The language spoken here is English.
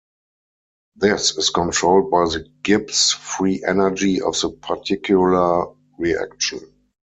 This is controlled by the Gibbs free energy of the particular reaction.